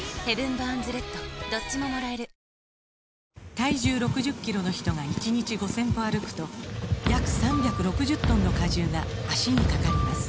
体重６０キロの人が１日５０００歩歩くと約３６０トンの荷重が脚にかかります